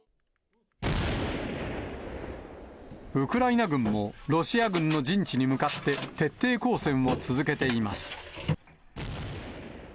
ウクライナ軍も、ロシア軍の陣地に向かって徹底抗戦を続けています。